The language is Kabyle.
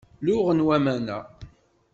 Luɣen waman-a.